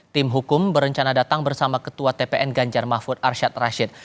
tim hukum berencana datang bersama ketua tpn ganjar mahfud arsyad rashid